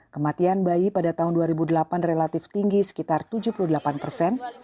kematian bayi pada tahun dua ribu delapan relatif tinggi sekitar tujuh puluh delapan persen